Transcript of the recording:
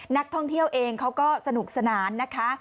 นักท่องเที่ยวเองเขาก็สนุกสนานนะคะ